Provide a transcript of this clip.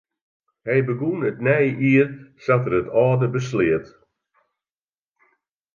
Hy begûn it nije jier sa't er it âlde besleat.